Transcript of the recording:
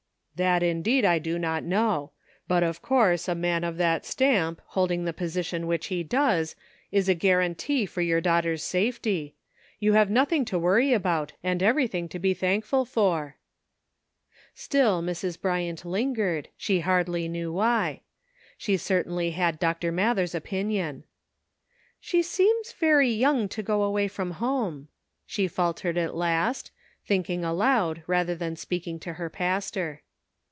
"That indeed I do not know. But of course a man of that stamp, holding the posi tion which he does, is a guarantee for your daughter's safety. You have nothing to worry about, and everything to be thankful for." Still Mrs. Bryant lingered, she hardly knew why. She certainly had Dr. Mather's opinion. CONFLICTING ADVICE. 197 " She seems very young to go away from home," she faltered at last, thinking aloud rather than speaking to her pastor.